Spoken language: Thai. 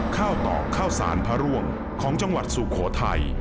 ข้าวตอกข้าวสารพระร่วงของจังหวัดสุโขทัย